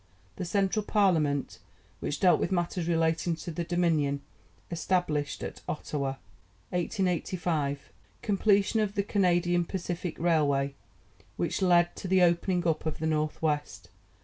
The Central Parliament, which dealt with matters relating to the Dominion, established at Ottawa. 1885. Completion of the Canadian Pacific Railway, which led to the opening up of the North West.